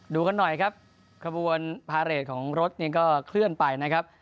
ดูกันหน่อยครับขบวนพาเรทของรถนี่ก็เคลื่อนไปนะครับ